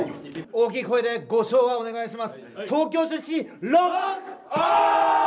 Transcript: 大きい声でご唱和お願いします。